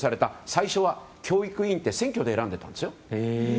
最初は教育委員は選挙で選んでいたんです。